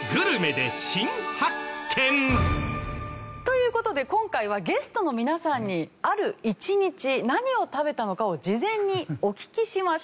という事で今回はゲストの皆さんにある一日何を食べたのかを事前にお聞きしました。